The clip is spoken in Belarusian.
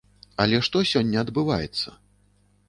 Але што сёння адбываецца?